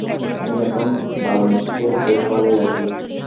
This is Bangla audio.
আমি এখন বারাণসীতে বেশ ভালই আছি।